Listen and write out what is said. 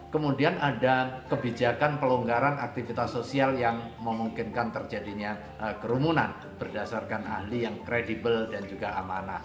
kemudian ada kebijakan pelonggaran aktivitas sosial yang memungkinkan terjadinya kerumunan berdasarkan ahli yang kredibel dan juga amanah